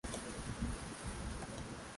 uhalifu wa kivita siyo mzuri kabisa